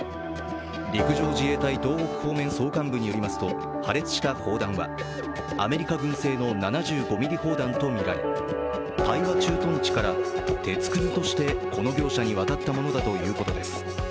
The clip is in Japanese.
陸上自衛隊東北方面総監部によりますと、破裂した砲弾はアメリカ軍製の７５ｍｍ砲弾とみられ大和駐屯地から鉄くずとしてこの業者に渡ったものだということです。